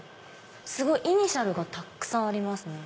すごい！イニシャルがたくさんありますね。